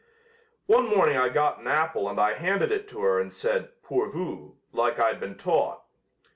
One morning I got an apple and I handed it to her and said 'pour vous' like I'd been taught.